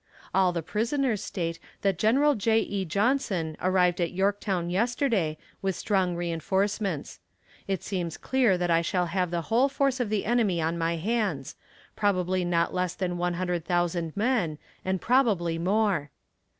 All the prisoners state that General J. E. Johnson arrived at Yorktown yesterday, with strong reinforcements. It seems clear that I shall have the whole force of the enemy on my hands probably not less than one hundred thousand men, and possibly more.